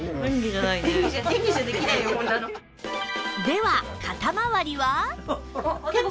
では肩まわりは